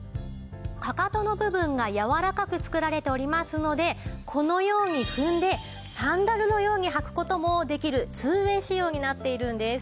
かかとの部分がやわらかく作られておりますのでこのように踏んでサンダルのように履く事もできる２ＷＡＹ仕様になっているんです。